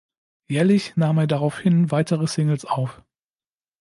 Jährlich nahm er daraufhin weitere Singles auf.